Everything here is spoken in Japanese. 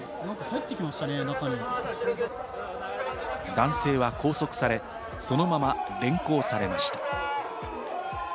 男性は拘束され、そのまま連行されました。